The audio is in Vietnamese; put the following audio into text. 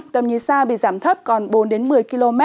tầm nhìn xa bị giảm thấp còn bốn một mươi km